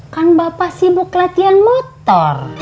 kan bapak sibuk latihan motor